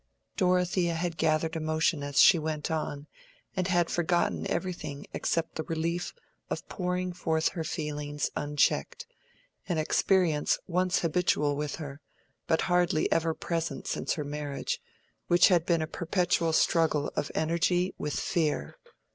Dorothea had gathered emotion as she went on, and had forgotten everything except the relief of pouring forth her feelings, unchecked: an experience once habitual with her, but hardly ever present since her marriage, which had been a perpetual struggle of energy with fear.